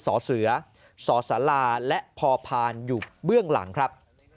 สอเสือสสลาและพอพานอยู่เบื้องหลังครับ